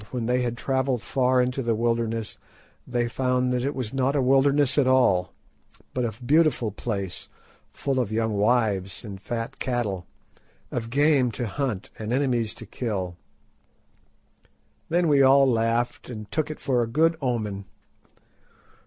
when they had travelled far into the wilderness they found that it was not a wilderness at all, but a beautiful place full of young wives and fat cattle, of game to hunt and enemies to kill. Then we all laughed and took it for a good omen.